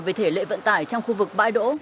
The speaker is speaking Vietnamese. về thể lệ vận tải trong khu vực bãi đỗ